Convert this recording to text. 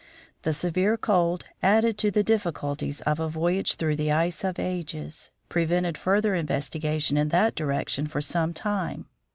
The severe cold, added to the difficulties of a voyage through the ice of ages, prevented further investigation in that direction for some time.